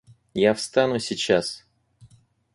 Я встану сейчас.